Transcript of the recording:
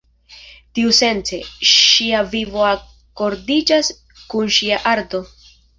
Tiusence, ŝia vivo akordiĝas kun ŝia arto.